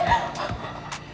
dan menuju ke semifinal